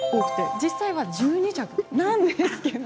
実際は１２着なんです。